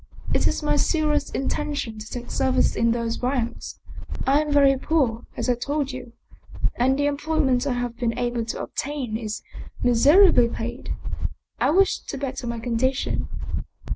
It is my serious intention to take service in those ranks. I am very poor as I told you, and the employment I have been able to obtain is miserably paid. I wish to better my condition."